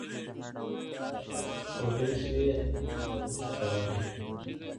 ولاړې پردۍ سوې زلمۍ خبري